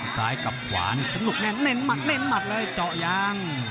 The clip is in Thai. ซ้ายกับขวานี่สนุกแน่นหมัดเล่นหมัดเลยเจาะยาง